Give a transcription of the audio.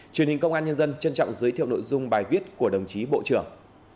truyền hình công an nhân dân trân trọng giới thiệu nội dung bài viết của đồng chí bộ trưởng